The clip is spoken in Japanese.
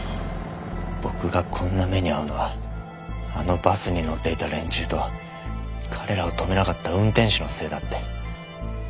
僕がこんな目に遭うのはあのバスに乗っていた連中と彼らを止めなかった運転手のせいだって。